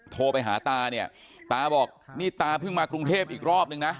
โทรไปหาตาเนี่ยตาบอกนี่ตาเพิ่งมากรุงเทพอีกรอบนึงนะ